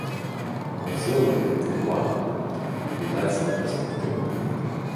А ў цэлым, няблага, відаць, на перспектыву.